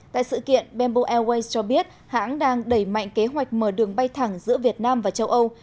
tại sự kiện bamboo airways cho biết hãng đang đẩy mạnh kế hoạch mở đường bay thẳng giữa việt nam và châu âu